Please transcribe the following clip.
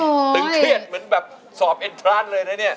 ตึงเครียดเหมือนแบบสอบเอ็นทรานเลยนะเนี่ย